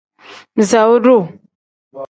Bisaawu duu.